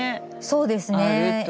そうですね。